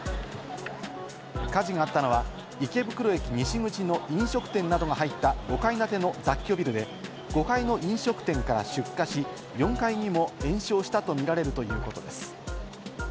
火事があったのは、池袋駅西口の飲食店などが入った５階建ての雑居ビルで、５階の飲食店から出火し、４階にも延焼したとみられるということです。